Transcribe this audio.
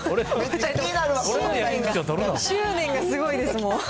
執念がすごいです、もう。